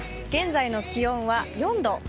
現在の気温は４度。